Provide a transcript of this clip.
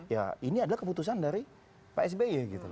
ya ini adalah keputusan dari psby